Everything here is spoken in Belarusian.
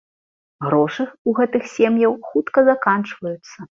Грошы ў гэтых сем'яў хутка заканчваюцца.